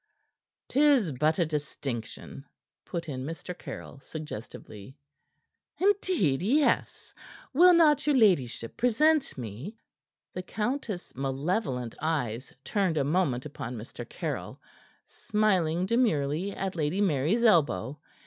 "'Tis but a distinction," put in Mr. Caryll suggestively. "Indeed, yes. Will not your ladyship present me?" The countess' malevolent eyes turned a moment upon Mr. Caryll, smiling demurely at Lady Mary's elbow.